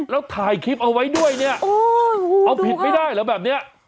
แล้วถ่ายคลิปเอาไว้ด้วยเนี่ยเอาผิดไม่ได้เหรอแบบนี้